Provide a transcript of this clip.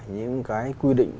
những cái quy định